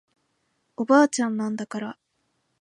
おばあちゃんなんだから